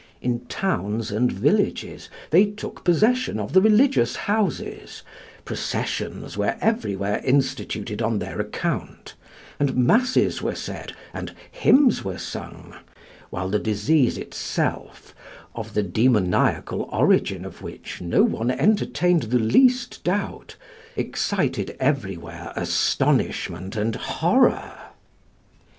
In towns and villages they took possession of the religious houses, processions were everywhere instituted on their account, and masses were said and hymns were sung, while the disease itself, of the demoniacal origin of which no one entertained the least doubt, excited everywhere astonishment and horror.